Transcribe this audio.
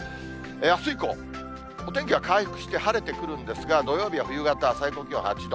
あす以降、お天気は回復して晴れてくるんですが、土曜日は冬型、最高気温８度。